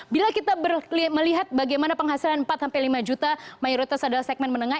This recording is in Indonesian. bila kita melihat bagaimana penghasilan empat lima juta mayoritas adalah segmen menengah